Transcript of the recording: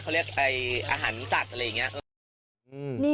เขาเรียกอาหารสัตว์อะไรอย่างนี้